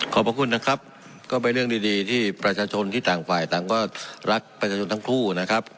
ขอบคุณนะครับก็เป็นเรื่องดีที่ประชาชนที่ต่างฝ่ายต่างก็รักประชาชนทั้งคู่นะครับ